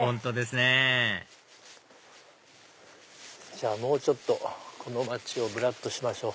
じゃあもうちょっとこの街をぶらっとしましょう。